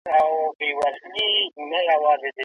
انا ته د ماشوم خندا ډېره بده او ترخه ښکاري.